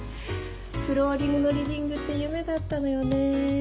フローリングのリビングって夢だったのよね。